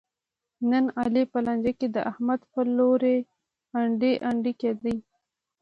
نن علي په لانجه کې د احمد په لوري انډی انډی کېدا.